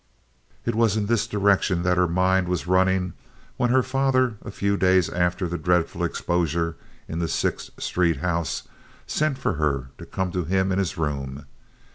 It was in this direction that her mind was running when her father, a few days after the dreadful exposure in the Sixth Street house, sent for her to come to him in his room.